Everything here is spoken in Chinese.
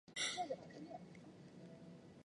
他获得指派参选奥姆斯克。